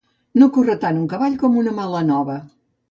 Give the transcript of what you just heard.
No corre tant un cavall com una mala nova.